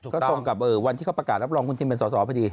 ก็ตรงกับวันที่เขาประกาศรับรองคุณทิมเป็นสอสอพอดี